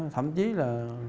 thậm chí là